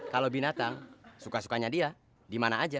kalau binatang suka sukanya dia dimana aja